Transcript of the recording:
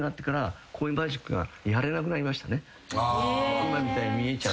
今みたいに見えちゃう。